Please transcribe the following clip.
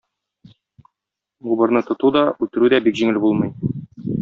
Убырны тоту да, үтерү дә бик җиңел булмый.